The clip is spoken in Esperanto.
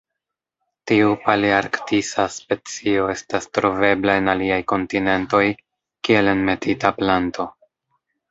Tiu palearktisa specio estas trovebla en aliaj kontinentoj kiel enmetita planto.